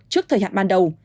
trước thời hạn ban đầu